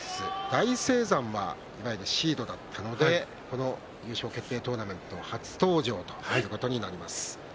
大青山はいわゆるシードだったのでこの優勝決定トーナメント初登場になります。